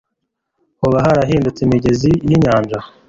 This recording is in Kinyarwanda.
Hoba harahindutse imigezi yinyanja?